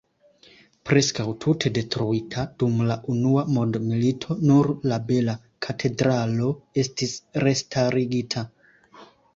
Preskaŭ tute detruita dum la unua mondmilito, nur la bela katedralo estis restarigita.